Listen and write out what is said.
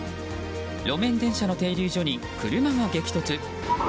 路面電車の停留所に車が激突。